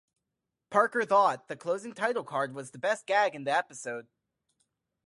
Parker thought the closing title card was the best gag in the episode.